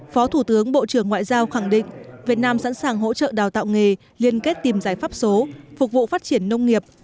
phó thủ tướng bộ trưởng ngoại giao khẳng định việt nam sẵn sàng hỗ trợ đào tạo nghề liên kết tìm giải pháp số phục vụ phát triển nông nghiệp